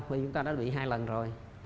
vì chúng ta đã bị hai lần rồi